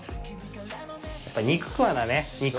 やっぱり、肉、食わなね、肉。